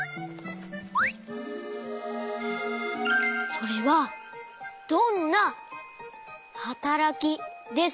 それはどんなはたらきですか？